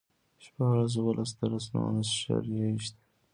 شپاړس، اووهلس، اتهلس، نولس، شل، يوويشت